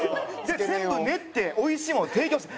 全部練って美味しいものを提供する。